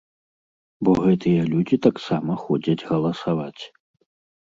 Бо гэтыя людзі таксама ходзяць галасаваць.